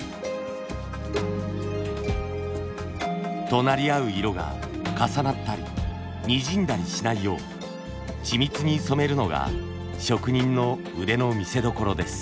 隣り合う色が重なったりにじんだりしないよう緻密に染めるのが職人の腕の見せどころです。